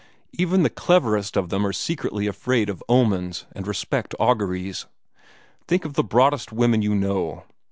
Even the cleverest of them are secretly afraid of omens, and respect auguries. Think of the broadest women you know.